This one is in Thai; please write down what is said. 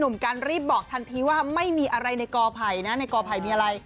นุ่มกันเรียบบอกทันทีว่าไม่มีอะไรในกดไผ่ในกรภัยมีอะไร